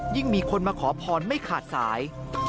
มีคนมาขอพรไม่ขาดสาย